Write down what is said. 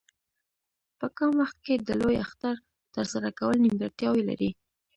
په کم وخت کې د لوی کار ترسره کول نیمګړتیاوې لري.